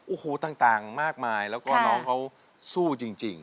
โอ้โหต่างมากมายแล้วก็น้องเขาสู้จริง